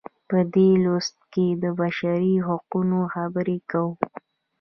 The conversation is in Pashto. په دې لوست کې د بشري حقونو خبرې کوو.